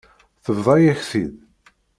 Tebḍa-yak-t-id.